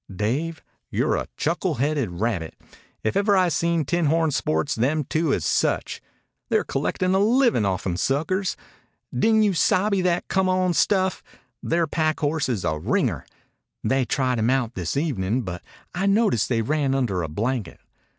"Dave, you're a chuckle haided rabbit. If ever I seen tinhorn sports them two is such. They're collectin' a livin' off'n suckers. Didn't you sabe that come on stuff? Their pack horse is a ringer. They tried him out this evenin', but I noticed they ran under a blanket.